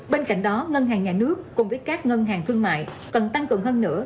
bên cạnh đó ngân hàng nhà nước cùng với các ngân hàng thương mại cần tăng cường hơn nữa